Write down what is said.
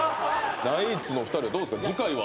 ナイツのお二人はどうですか？